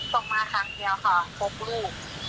ส่งมาครั้งเดียวค่ะพบลูก